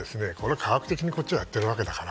科学的にこっちはやっているわけだから。